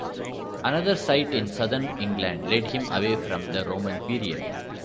Another site in southern England led him away from the Roman period.